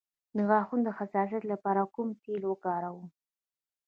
د غاښونو د حساسیت لپاره کوم تېل وکاروم؟